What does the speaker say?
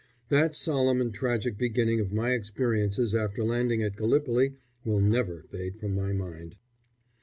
That solemn and tragic beginning of my experiences after landing at Gallipoli will never fade from my mind.